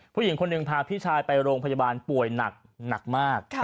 ผู้หญิงคนหนึ่งพาพี่ชายไปโรงพยาบาลป่วยหนักมาก